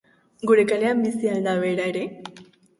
Gure kalean bizi al da bera ere?